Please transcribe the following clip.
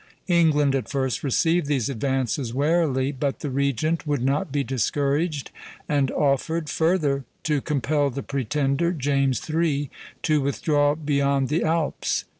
England at first received these advances warily; but the regent would not be discouraged, and offered, further, to compel the Pretender, James III., to withdraw beyond the Alps.